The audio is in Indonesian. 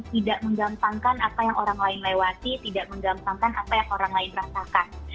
tidak menggampangkan apa yang orang lain lewati tidak menggampangkan apa yang orang lain rasakan